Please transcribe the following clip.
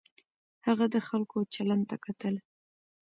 هغه د خلکو چلند ته کتل.